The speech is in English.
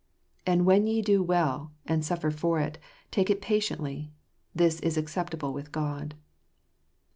" If when ye do well, and suffer for it, ye take it patiently, this is acceptable with God."